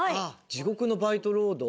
「地獄のバイトロード」？